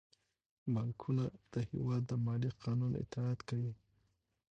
بانکونه د هیواد د مالي قانون اطاعت کوي.